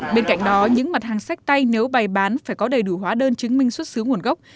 bên cạnh đó những mặt hàng sách tay nếu bày bán phải có đầy đủ hóa đơn chứng minh xuất xứ nguồn gốc